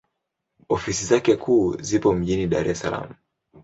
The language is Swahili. Ofisi zake kuu zipo mjini Dar es Salaam.